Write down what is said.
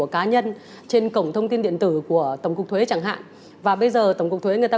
cá nhân trên cổng thông tin điện tử của tổng cục thuế chẳng hạn và bây giờ tổng cục thuế người ta